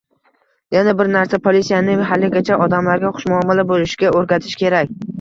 Yana bir narsa: politsiyani haligacha odamlarga xushmuomala bo'lishga o'rgatish kerak